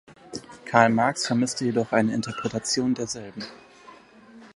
Karl Marx vermisste jedoch eine Interpretation derselben.